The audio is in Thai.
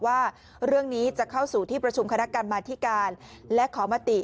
ว่าเรื่องนี้จะเข้าสู่ที่ประชุมคณะกรรมาธิการและขอมติ